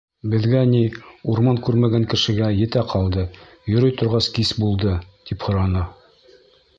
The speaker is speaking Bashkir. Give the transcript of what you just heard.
Беҙгә ни, урман күрмәгән кешегә, етә ҡалды, йөрөй торғас, кис булды. — тип һораны.